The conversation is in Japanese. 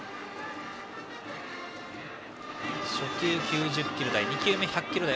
初球９０キロ台２球目１００キロ台。